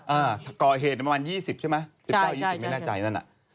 อ่าก่อเหตุประมาณ๒๐ใช่ไหม๑๙๒๐ไม่แน่ใจนั่นอ่ะ